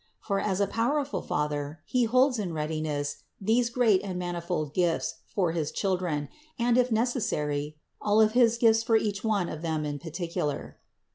For, as a powerful Father, He holds in readiness these great THE INCARNATION 91 and manifold gifts for his children, and if necessary, all of his gifts for each one of them in particular.